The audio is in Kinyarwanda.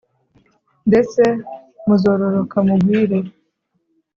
ndetse muzororoka mugwire